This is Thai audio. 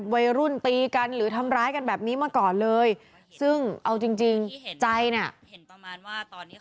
วัยรุ่นตีกันหรือทำร้ายกันแบบนี้มาก่อนเลยซึ่งเอาจริงจริงใจน่ะเห็นประมาณว่าตอนนี้